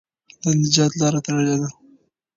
د نجات لاره تړلې ده.